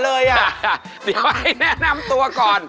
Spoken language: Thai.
เดี๋ยวให้แนะนำตัวก่อน